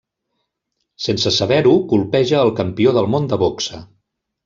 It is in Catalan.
Sense saber-ho, colpeja el campió del món de boxa.